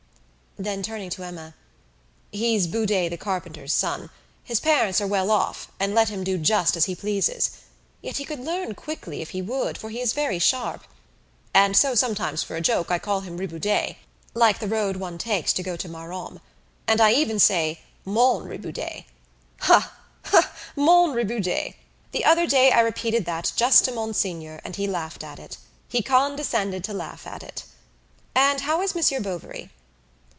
Then turning to Emma, "He's Boudet the carpenter's son; his parents are well off, and let him do just as he pleases. Yet he could learn quickly if he would, for he is very sharp. And so sometimes for a joke I call him Riboudet (like the road one takes to go to Maromme) and I even say 'Mon Riboudet.' Ha! Ha! 'Mont Riboudet.' The other day I repeated that just to Monsignor, and he laughed at it; he condescended to laugh at it. And how is Monsieur Bovary?"